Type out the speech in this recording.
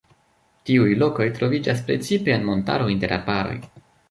Tiuj lokoj troviĝas precipe en montaro inter arbaroj.